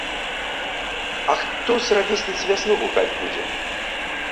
А хто з равесніц вясну гукаць будзе?